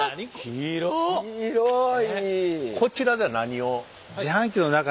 広い。